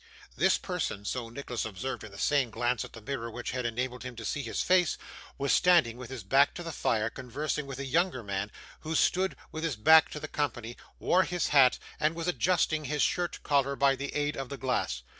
This person so Nicholas observed in the same glance at the mirror which had enabled him to see his face was standing with his back to the fire conversing with a younger man, who stood with his back to the company, wore his hat, and was adjusting his shirt collar by the aid of the glass.